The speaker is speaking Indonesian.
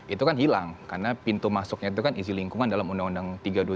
itu kan hilang karena pintu masuknya itu kan izin lingkungan dalam undang undang tiga dua ribu